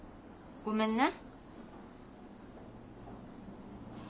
ごめんね。